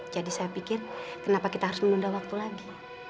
jadi saya pikir kenapa kita harus menunda waktu lagi